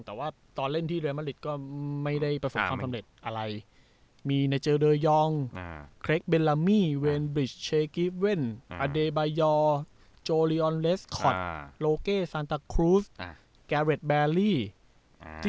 แต่ว่าตอนเล่นที่เรมริตก็ไม่ได้ประสบความสำเร็จอะไรมีเนเจอเดอยองเครกเบลลามี่เวนบริชเชกิฟเว่นอเดบายอร์โจลีออนเลสคอตโลเก้ซานตาครูสอ่าแกเรดแบลลี่อ่า